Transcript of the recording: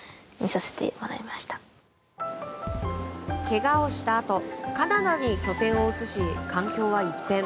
けがをしたあとカナダに拠点を移し環境は一変。